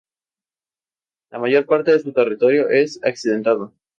La mayor parte de su territorio es accidentado.